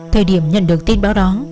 thời điểm nhận được tin báo đó